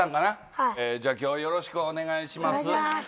じゃあ今日はよろしくお願いします。